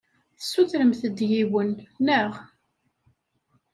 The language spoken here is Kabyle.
Tessutremt-d yiwen, naɣ?